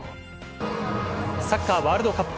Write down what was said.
サッカーワールドカップ。